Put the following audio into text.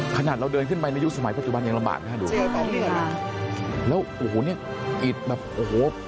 ขนาดเราเดินขึ้นไปในยุคสมัยปัจจุบันยังลำบากนะฮะดูถูกต้องแล้วโอ้โหเนี่ยอิดแบบโอ้โห